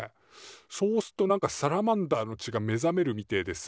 そうすっとなんかサラマンダーの血が目覚めるみてえでさ。